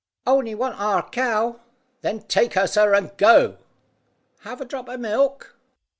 "On'y want our cow." "Then take her, sir, and go!" "Have a drop of milk?"